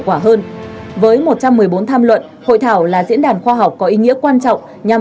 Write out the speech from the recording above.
quả hơn với một trăm một mươi bốn tham luận hội thảo là diễn đàn khoa học có ý nghĩa quan trọng nhằm